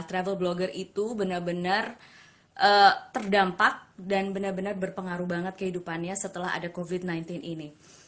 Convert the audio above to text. travel blogger itu benar benar terdampak dan benar benar berpengaruh banget kehidupannya setelah ada covid sembilan belas ini